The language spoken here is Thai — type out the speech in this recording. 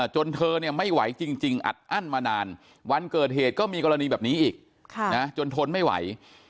จนเธอเนี่ยไม่ไหวจริงอัดอั้นมานานวันเกิดเหตุก็มีกรณีแบบนี้อีกจนทนไม่ไหว